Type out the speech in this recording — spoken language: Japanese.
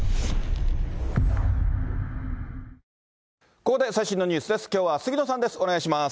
ここで最新のニュースです。